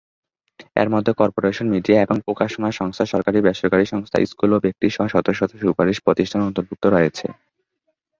এর মধ্যে corporation, media এবং প্রকাশনা সংস্থা, সরকারী, বেসরকারি সংস্থা, স্কুল এবং ব্যক্তি সহ শত শত সুপরিচিত প্রতিষ্ঠান অন্তর্ভুক্ত রয়েছে।